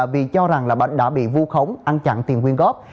vì cho rằng bạn đã bị vu khống ăn chặn tiền nguyên góp